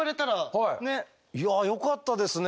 いやよかったですね。